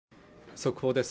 速報です